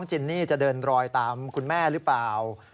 จะเดินรอยตามคุณแม่หรือเปล่า